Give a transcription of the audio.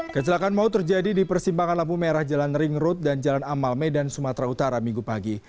kecelakaan maut terjadi di persimpangan lampu merah jalan ring road dan jalan amal medan sumatera utara minggu pagi